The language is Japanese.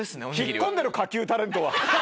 引っ込んでろ下級タレントは。